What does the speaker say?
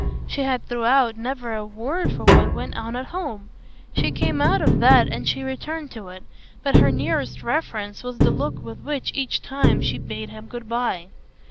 She had throughout never a word for what went on at home. She came out of that and she returned to it, but her nearest reference was the look with which, each time, she bade him good bye.